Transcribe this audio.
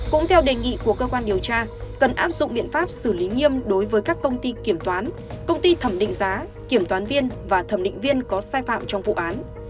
cũng theo đề nghị của cơ quan điều tra cần áp dụng biện pháp xử lý nghiêm đối với các công ty kiểm toán công ty thẩm định giá kiểm toán viên và thẩm định viên có sai phạm trong vụ án